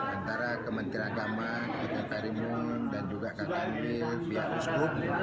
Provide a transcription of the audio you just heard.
antara kementerian agama ketat karimun dan juga kak amil pihak uskup